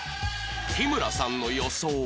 日村さんの予想は？